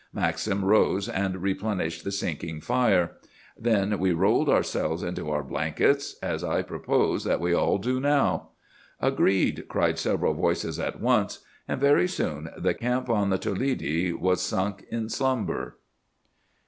Maxim rose, and replenished the sinking fire. Then we rolled ourselves into our blankets, as I propose that we all do now." "Agreed!" cried several voices at once; and very soon the camp on the Toledi was sunk in slumber.